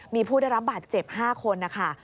มีผู้ได้รับบาดเจ็บ๕คนนะคะ